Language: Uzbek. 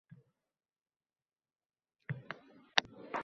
Yolg‘iz qolgan paytingizda yuragingiz nimani orziqib kutadi